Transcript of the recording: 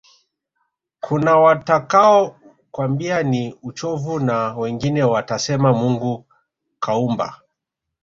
kunawatakao kwambia ni uchovu na wengine watasema mungu kauumba